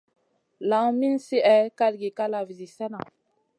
Lawn min slihè kalgi kalavi zi slena.